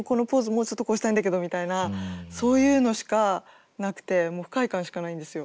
もうちょっとこうしたいんだけどみたいなそういうのしかなくてもう不快感しかないんですよ。